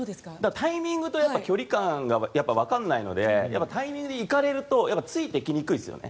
タイミングと距離感が分からないのでタイミングで行かれるとついていきにくいですよね。